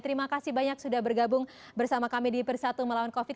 terima kasih banyak sudah bergabung bersama kami di persatu melawan covid